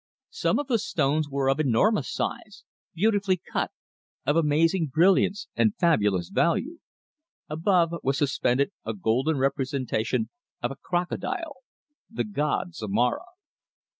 Some of the stones were of enormous size, beautifully cut, of amazing brilliance and fabulous value. Above, was suspended a golden representation of a crocodile the god Zomara.